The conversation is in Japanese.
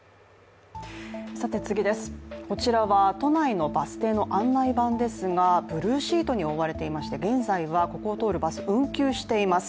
こちらは都内のバス停の案内板ですが、ブルーシートに覆われていまして、現在はここを通るバス、運休しています。